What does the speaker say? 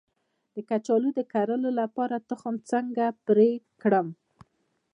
د کچالو د کرلو لپاره تخم څنګه پرې کړم؟